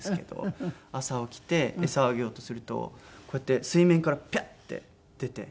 朝起きて餌あげようとするとこうやって水面からピャッ！って出て。